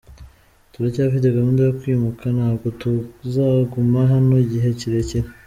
Turacyafite gahunda yo kwimuka, ntabwo tuzaguma hano igihe kirekire.